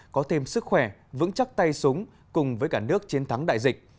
có thêm sức khỏe vững chắc tay súng cùng với cả nước chiến thắng đại dịch